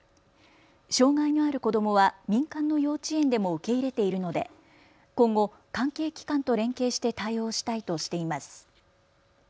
障害のある子どもは民間の幼稚園でも受け入れているので今後、関係機関と連携して対応したいとしています。